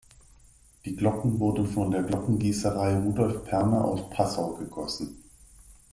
Die Glocken wurden von der Glockengießerei Rudolf Perner aus Passau gegossen.